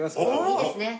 いいですね。